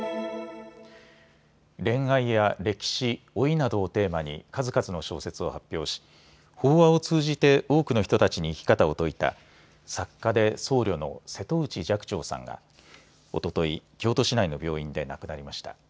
恋愛や歴史、老いなどをテーマに数々の小説を発表し法話を通じて多くの人たちに生き方を説いた作家で僧侶の瀬戸内寂聴さんがおととい、京都市内の病院で亡くなりました。